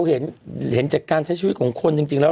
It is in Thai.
เห็นจากการใช้ชีวิตของคนจริงแล้ว